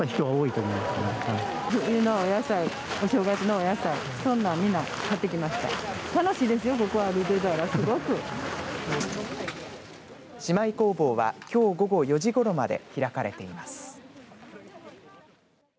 終い弘法はきょう午後４時ごろまで開かれています。